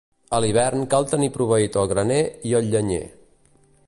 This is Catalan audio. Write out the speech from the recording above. A l'hivern cal tenir proveït el graner i el llenyer.